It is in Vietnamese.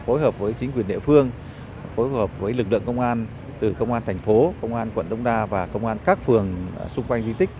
phối hợp với chính quyền địa phương phối hợp với lực lượng công an từ công an thành phố công an quận đông đa và công an các phường xung quanh di tích